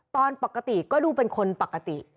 ตอนปกติก็ดูเป็นคนปกติ